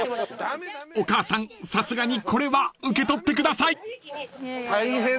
［お母さんさすがにこれは受け取ってください］